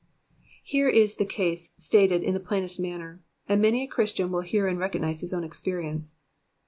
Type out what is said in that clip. Here is the case stated in the plainest manner, and many a Christian will herein recognise his own experience.